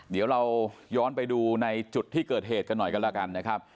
เดี๋ยวเราย้อนไปดูในจุดที่เกิดเหตุกันหน่อยกันแล้วกันนะครับ